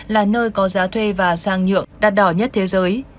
là nơi có giá thuê và sang nhượng đắt đỏ nhất thế giới